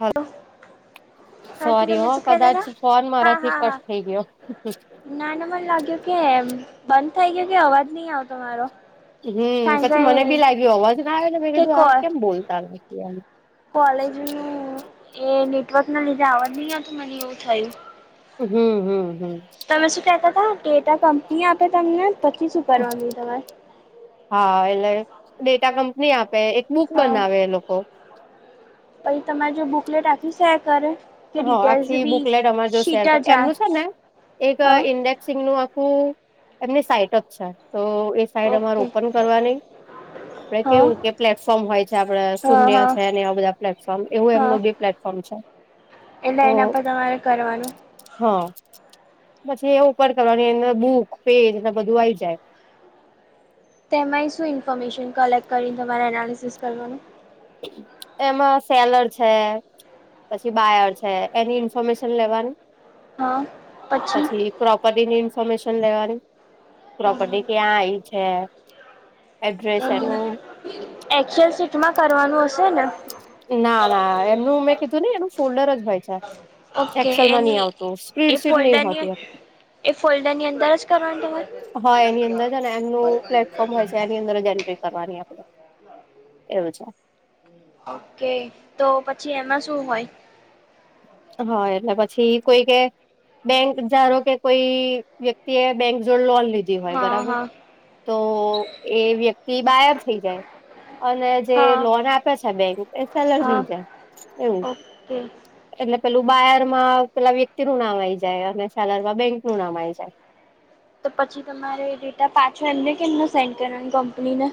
હલ તો હા સોરી તમે હો શું કહેતા કદાચ ફોન હતા હા મારાથી હા કટ હા થઈ ગયો ના ના મન લાગ્યું કે એમ બંધ થઇ ગયું કે અવાજ ની આવ તમારો હમ પછી મને બી લાગ્યું અવાજ ના આવે ને મે કે કીધું આ કેમ બોલતા નથી એમ કોલેજ નુ એ નેટવર્ક ના લીધે આવાજ ની આવતું મને એવું થયું. હમ હમ હમ તમે શું કેતા હતા [unintelligible] કંપની આપે તમને પછી શું? કરવાનું [unintelligible] તમારે હા એટલે ડેટા કંપની આપે એક બુક બનાવે એ લોકો પહીં તમારી બુકલેટ આખી શેર કરે કે હ ડિટેલ્સ આખી બી બુકલેટ અમાર જો શેર ક શીટા જા એમનું છે ને એક હા ઇન્ડેક [unintelligible] આખું એમને સાઈટપ છે તો એ સાઈટ અમારે ઓકે ઓપન કરવાની. આપડે હા કેવું કે પ્લેટફોર્મ હોય છે આપડે હા શૂન્ય હા છે અને આવા બધા પ્લેટફોર્મ એવું હા એમનું બી પ્લેટફોર્મ છે. એટલે એના પર તમારે કરવાનું હ પછી એ ઉપર કરવાની એના બુક પેન ને બધું આઈ જાય. તેમાંય શું ઇન્ફોર્મેશન કલેક્ટ કરી તમારે એનાલિસિસ કરવાનું એમાં સેલર છે. પછી બાયર છે એની ઇન્ફોર્મેશન લેવાની હા પછી પ્રોપર્ટી ની ઇન્ફોર્મેશન લેવાની પ્રોપર્ટી ક્યાં આયી છે એડ્રેસ એનુ એક્સલ સીટમાં કરવાનું હશે ને ના ના એમનું મેં કીધું ને એનું ફોલ્ડર જ હોય. છે ઓકે એક્સેલમાં નહી એની આવતું સ્પીડ એ સીટ નહીં ફોલ્ડરની હોતી એમ એ ફોલ્ડર ની અંદર જ કરવાની તમારે હા એની અંદર જ અને એમનું પ્લેટફોર્મ હોય છે એની અંદર જ એન્ટ્રી કરવાની આપડે એવું છે. ઓકે તો પછી એમાં શું હોય. હા એટલે પછી કોઈ કે બેંક ધારોકે કે કોઈ વ્યક્તિએ બેંક જોડે લોન લીધી હોય હા બરાબર હા તો એ વ્યક્તિ બાયર થઈ જાય. અને જે હા લોન આપે છે બેંક એ સલ હા રહી જાય એવું. [inaudible] એટલે પેલું બાયરમા પેલા વ્યક્તિ નું નામ આઈ જાય અને શાલરમાં બેંક નું નામ આ આવી જાય તો પછી તમારે ડેટા પાછો એમને કેમને સેન્ડ કરવાની કંપનીને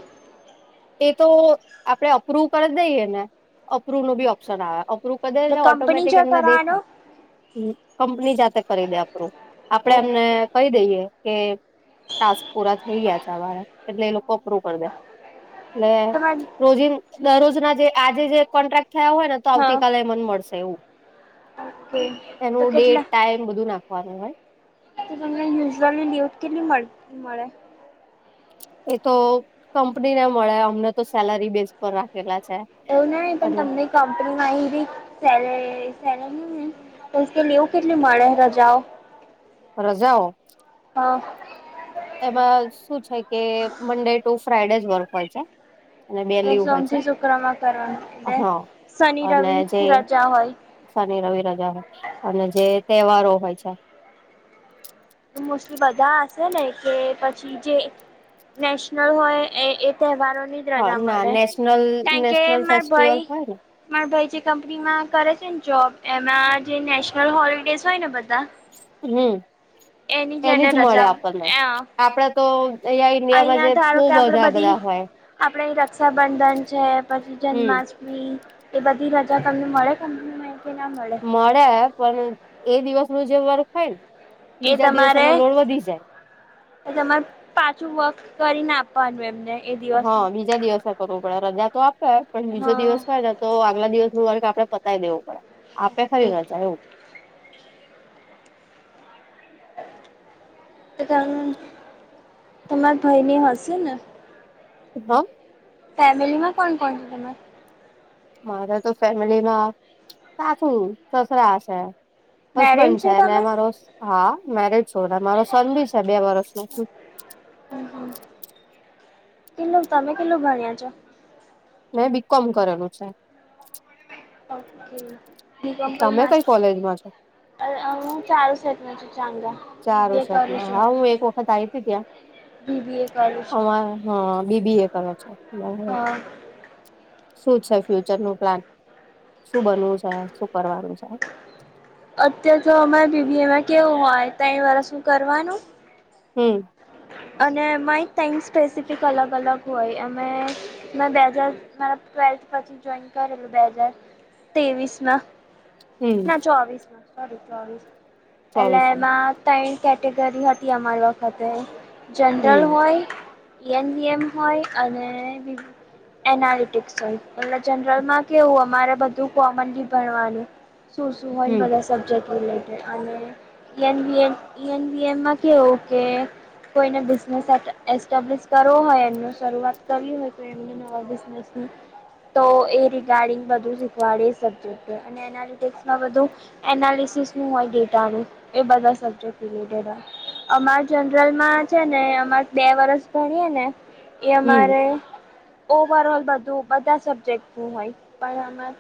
એ તો આપડે અપ્રુવ કરી જ દઈએ ને અપ્રુવ નો બી ઓપ્શન આવે અપ્રુ એટલે બધા એ કંપની ઓટોમેટિક જો એમને કરવાનો દેખાય હ કંપની જાતે કરી દે અપરૂ આપડે ઓકે એમને કહી દઈએ કે ટાસ્ક પૂરા થઈ ગયા તમારા એટલે એ લોકો અપરૂ કરી દે એટલે તમારે રોજ દરરોજ ના જે આજે જે કોન્ટ્રાક્ટ થયા હોય ને તો હા આવતીકાલે મન મળશે એવું ઓકે તો એનું કેટલા ડેટ ટાઈમ બધું નાખવાનું હોય. તમને યુઝલી ન્યુઝ કેટલી મળ મળે. એ તો કંપની ને મળે અમને તો સેલરી બેઝ પર રાખેલા છે. એવું ન‌ઈ પણ અને તમને કંપનીમાં અહી સે સેલર. [unintelligible] એવું કેટલી મળે રજાઓ રજાઓ હા તેમાં શું છે કે મન્ડે ટુ ફ્રાઈડેજ વર્ક હોય છે. અને બે એ લીવ હોય છે સોમથી શુક્રમાં કરવાનું એટલે હા શનિ અને રવિ જે રજા હોય શનિ રવિ રજા હોય અને જે તહેવારો હોય છે. મોસ્ટલી બધા હશે ને કે પછી જે. નેશનલ હોય એ એ તહેવારોની હા રજા ના મળે નેશનલ કાકે નેશનલ માર ફેસ્ટિવલ ભાઈ. હોય ને મારા ભાઈ જે કંપનીમાં કરે છે ને જોબ એમાં જે નેશનલ હોલડેસ હોય ને બધા હું. એની જને જ મળે આપણને રજા આપડે તો અહીં ઈન્ડિયામાં જે અહિયાં ધારો બહુ કે આપડે બધા બધી બાઘા હોય. આપણે રક્ષાબંધન છે પછી હમ જન્માષ્ટમી ન એ બધી રજા તમને મળે તમને મા કે ના મળે. મળે પણ એ દિવસ ન જે વર્ગ થાય ને. એ બીજા દિવસ તમારે એનો લોડ વધી જાય. એ તમારે પાછું વર્ક કરીને આપ પામને એ હા દિવસનું બીજા દિવસે કરવું પડે રજા તો આપે પણ બીજો હા દિવસ હોય. તો આગલા દિવસ થોડું વકૅ આપડે પતાય દેવું પડે આપે ઓકે. ખરી ના જાય એવું. તમાર ભાઈની હશે ને. હા. ફેમિલી માં કોણ કોણ છો તમે. મારે તો ફેમિલીમાં સાસુ સસરા શે. મેરીડ હસબેન્ડ છો છે ને તમે મારો હા મેરજ છો ને મારો સન ભી છે બે વર્ષ ન શું. કેલું તમે કેલું ભણ્યા છો. મેં બી કોમ કરેલું છે. ઓકે [unintelligible] [unintelligible] કરી તમે કઈ માસ્ટર કોલેજમાં છો. હું ચારુ સેટ માં ચાંગા. બીબીએ ચારુસેટ કરું માં છું હા હું એક વખત આઈ હતી ત્યાં. બીબી એ કરું અ છું હા બીબી એ કરો છો. હા શું છે. ફ્યુચર નું પ્લાન શું બનવું છે. શું કરવાનું છે. અત્યાર તો અમારે બીબી એ માં કેવું હોય ત્રણ વર્ષ શું કરવાનું. હું. અને મય ટમ સ્પેસિફિક અલગ અલગ હોય અમે મે બે હજાર મારા ટૂવેલ્થ માં પછી જોઈન કરેલું બે હજાર ત્રેવીસમાં. હમ ના ચોવીસ માં સોરી સોરી ચોવીસ એટલે ચોવીસમી એમાં. ત્રણ કેટેગરી હતી અમારી વખતે જનરલ હમ હોય. નવી એમ હોય અને એનાલિટિકસ હોય એટલે જનરલ માં કેવું અમારે બધું કોમનલી ભણવાનું. શું શું હોય ને હમ બ સબ્જેક્ટ રિલેટેડ અને ઇ એન બી એ ઇ એન બી એમમાં કવું કે. કોઈને બિઝનેસ એસ્ટાબ્લસ કરવો હોય એમનું શરૂઆત કરવી હોય તો એ રિગાર્ડિંગ બધું શીખવાડે સબજેક્ટ. એનાિટેક્સમાં વધુ. એનાલિસસ નું હોય ડેટા ન એ બધા સબ્જેક્ટ રિટેડ હોય અમાર લમાં છે. ને અમારે બે વર્ષ ભણીએ ને એ હમ અમારે ઓવર ઓલ બું બધા સબ્જેક્ટ નું હોય પણ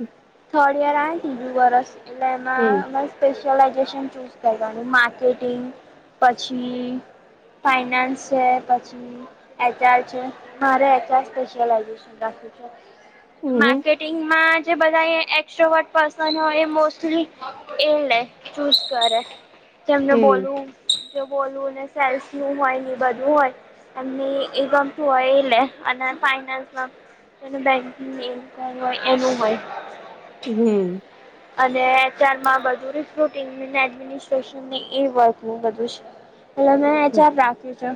થડ યર. દુ વર્ષ એમા. હમ સ્પેશિયલાઇઝેશન ચૂઝ કરવાનું માર્કેટિંગ પછી. ફાઈનાન્સ છે. પછી [unintelligible] ધા હમ હોય એ મોલી એ લે [unintelligible] ચૂઝ કરે જેમને હમ બોલવું જે બોલવુંને સેલ્સ નું હોય ને બધું હોય. એમની એકમ જોય એલે અને ફાઈનાસમાં- એનું બેંકિંગ એ હોય એનું હોય. હમ અને એચારમાં બધુ રિકરુટ એડમિનિસ્ટ્રેશન એ વાત હું બધું છે. હલો મેં હમ, એચપ રાખ્યું છે.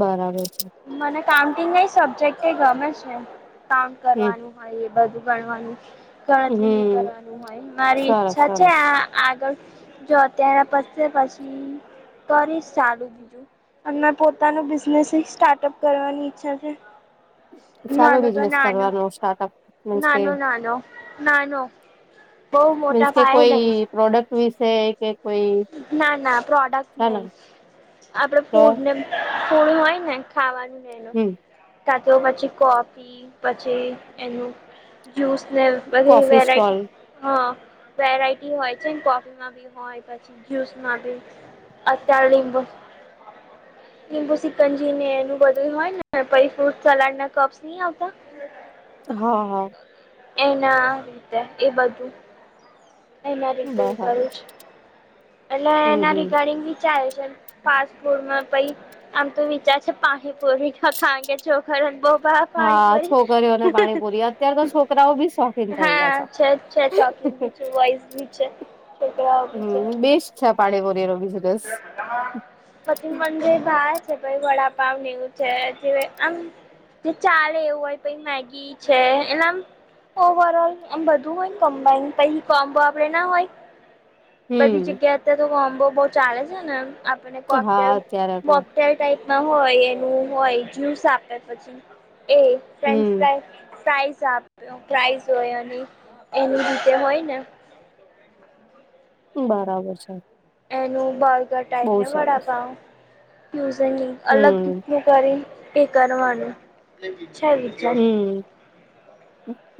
બરાબર છે મને કાઉન્ટિંગ ન સબ્જેક્ટ ગમે છે. કાઉન્ટ હમ કરવાનું- એ બધું ગણવાનું ગણતરી હમ કરવાનું હોય મારી સરસ ઈચ્છા છે. સરસ આ- આગળ જો ત્યારે પછ પછી તોરે સારું દીજું અ પોતાનું બિઝનેસ સ્ટાર્ટઅપ કરવાની ઈચ્છા છે. સારો નાનો તો બિઝનેસ નાનો કરવાનો સ્ટાર્ટઅપ મીન્સ કે નાનો નાનો નાનો- હોહ મીન્સ મોટા કે પાયે કોઈ નહી. પ્રોડક્ટ વિશે એક એક- ના ના પ્રોડક્ટ નહી આપડે તો ફૂડને ફૂડ હોય ને ખાવાનું નનું હમ કા તો પછી કોફી પછી એનું જ્યૂસ ને બધું કોફી સ્ટોલ વેરાયટી- હા વેરાયટી હોય છે. કોફી માં બી હોય પછી જ્યુસમાથી અત્યાર લીંબુ- સિકંજીને એનું બધું હોય ને પછ ફ્રૂટ સલાડ ના કપ્સ નહી આવતા. બ [unintelligible] હા હા. એના રીતે એ બધું એના રી કરું બરાબર છ એટલે હમ એના હમ રિગાર્ડિંગ વિચારે છે ને ફાસ્ટ ફૂડમાં પ આમ તો વિચાર છે પાણીપુરી ખા કે ચોખર બહબ પાણી હા પરી છોકરીઓને પાણીપુરી અત્યાર તો છોકરાઓ બી શોખીન થઈ હા ગયા છે છે ચોકી ઝી છે છોકરાઓ બી છે. હમ બેસ્ટ છે પાણીપુરી નો બિઝનેસ પછી મંદંદર ભા છે ભ વડાપાવને એવું છે આમ ચાલે એવું હોય પ મેગી છે એનામ ઓવર ઓલમ બધું હોય કમ્બાાઈન પ કોમ્બો આપડે ના હોય બધી હમ જગ્યા અત્યારે તો કોમ્બો બહ ચાલે છે ને. મ કોક હા અત્યારે તો હોટેલ ટાઈપમાં હોય એનું હોય જ્યુસ આપે પછી એ ફન્ હમ પ્ર પ્રાાઈઝ આપ્યો પ્રાઈઝ હોય એની રીતે હોય ને બરાબર છે. એનું બર્ગર ટાઈપ બહુ ને વડા સરસ પાઉ ઝ ન અલગ રીત હમ નનું કરીે એ કરવાનું છે. વિચાર હમ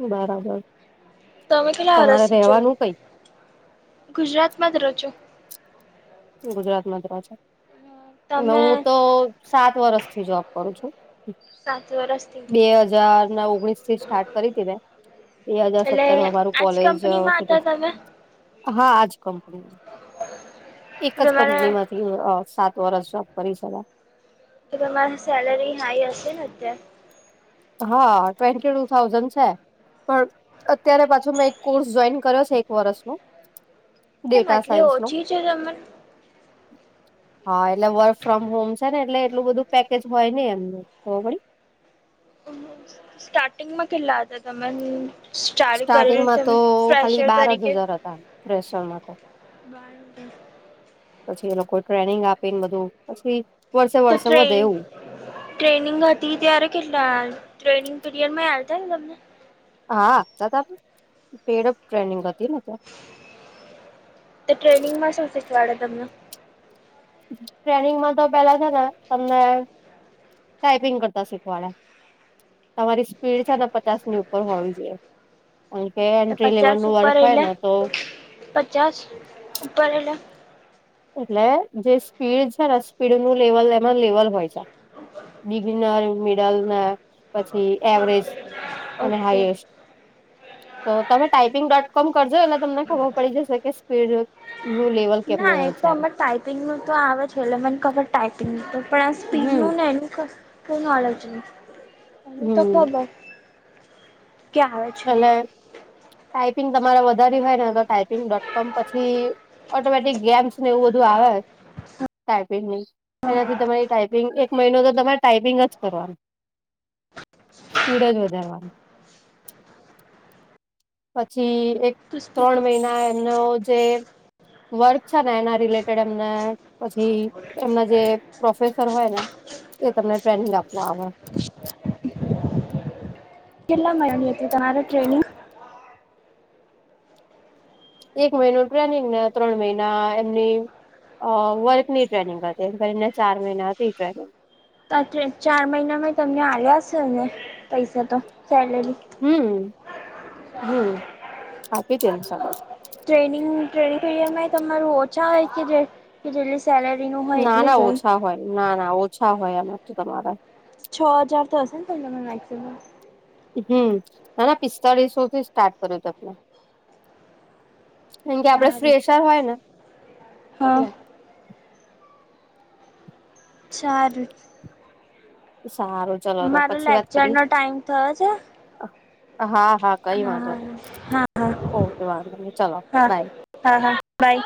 બરાબર તમે કેટલા તમારે વરસથી છો રહેેવાનું કઈ ગુજરાતમાં જ રહો ગુજરાતમાં છે. ન તમે હું તો સાત વર્ષ થી જોબ કરું છું. સાત વરસથી. બે હજાર ના ઓગણીસ થી સ્ટાર્ટ કરી હતી મેં. બે હાજર એટલે સત્તરમાં મારું આજ કોલેજ કંપનીમાં હતા તમે હા આજ કંપની એક જ તમારે કંપની માંથી સાત વરષ જોબ કરી શકાય તો તમારી સેલરી હાઈ હશે ને અત હા ટ્વેન્ટી ટુ થાઉઝન્ડ છે. પણ અત્યારે પાછું મેં એક કોર્સ જોઈન કર્યો છે, એક વર્ષ નો. કેમ ડેટા આટલી સયન્સનું ઓછી છે [inaudible] હા એટલે વર્ક ફ્રોમ હોમ છે ને એટલે એટલું બધું પેકેજ હોય નહી એમનું, ખબર પડી સ્ટાર્ટિંગ માં કેટલા હતા તમેન સ્ટાર્ટિંગમાં તો ખાલી બાર જ તરીકે હજાર હતા. પ્રેશર મા તો, પછી એ લોકો ટ્રેનિંગ આપીને બધું પછી વર્ષે તો વર્ષે વધે ટ્રેન એવું. ટ્રેનિંગ હતી ત્યારે કેટલા? ટ્રેનિંગ પીરિયડમાં આલતા તમને? હા તા ત, પેડ ઓફ ટ્રેનિંગ હતી ને ત્યાં. તો ટ્રેનિંગમાં શું શીખવાડે તમને? ટ્રેનિંગ માં તો પેલા છે ને અમને ટાઈપિંગ કરતા શીખવાડે, તમારી સ્પીડ છે ને તે પચાસ ની ઉપર હોવી જોઈએ. કારણ કે એ તો એન્ટ્રી લેવલ પચાસ નું વર્ક ઉપર હોય એટલે ને તો પચાસ ઉપર એટલે? એટલે જે સ્પીડ છે ને સ્પીડ નું લેવલ એમાં લેવલ હોય છે. બીગનાર મિડલ મા પછી એવરેજ, અને ઓકે હાઈએસ્ટ તો તમે ટાાઈપિંગ ડોટ કોમ કરજો, એટલે તમને ખબર પડી જશે કે સ્પીડ નું લેવલ કેમનું હોય છે. આમ સ્પિંગ નું તો આવે છે, એટલે મને ખબર ટાાઈપિંગ તો, પણ આ સ્પિડ હમ નું ને એનું કોઈ નોલેજ નહીં, એટલે તો હમ કીધું એટલે, ટાઈપિંગ તમારે વધારવી હોય ને, તો ટાઈપિંગ ડોટ કોમ પછી. ઓટોમેટિક ગેમ્સ ને એવું બધું આવે, ટાાઈપિંગની એનાથી તમારી ટાઈપિંગ એક મહિનો તો તમારે ટાાઈપિંગ જ કરવાનું, સ્પીડ જ વધારવાની. પછી એક [unintelligible] ત્રણ મહિના એમનો જે વર્ક છે ને એના રિલેટેડ એમને પછી, એમના જે પ્રોફેસર હોય ને, તે તમને ટ્રેનીંગ આપવા આવે. કેટલા મહિનાની હતી તમારી ટ્રેનીંગ? એક મહિનો ટ્રેનિંગ, ને ત્રણ મહિના એમની. અ વર્ક ની ટ્રેનિંગ હતી, એમ કરીને ચાર મહિના હતી ટ્રેનિંગ. સાચે ચાર મહિનામાં ઈ તમને આવ્યા શે ને, પૈસા તો સેલેરી. હમ્મ હમ્મ, આપી છેને સેલર ટ્રેનિંગ ટ્રેનિંગ પીરીયડ માંએ તમારું ઓછા હોય કે, જે જેટલી સેલેરીનું હોય ના એટલું ના જ હોય? ઓછા ના ના ઓછા હોય એમ નથી તમારે છ હજાર તો હશેન તમને મેક્સિમમ. હમ્મ અરે પિસ્તાળીસો થી સ્ટાર્ટ કર્યો તો મેં. હમ્મ કાકે આપડે સારું ફ્રેશર હોય ને હા એટલે. ચાર સારું ચલો તો મારો પછી વાત કરીએ. લેક્ચરનો ટાઈમ થયો છે હા હા કઈ વાંધો નહી હા હા ઓકે વાંધો નહી ચલો હા બાય હા હા બાય